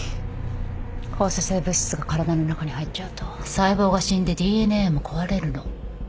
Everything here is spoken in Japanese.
放射性物質が体の中に入っちゃうと細胞が死んでＤＮＡも壊れるの。